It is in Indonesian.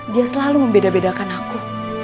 dia selalu membeda bedakan aku